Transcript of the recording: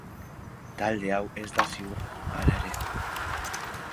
Talde hau ez da ziurra, hala ere.